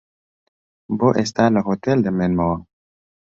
بۆ ئێستا لە هۆتێل دەمێنمەوە.